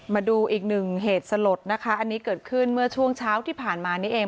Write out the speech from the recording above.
มาดูอีกหนึ่งเหตุสลดนะคะอันนี้เกิดขึ้นเมื่อช่วงเช้าที่ผ่านมานี้เอง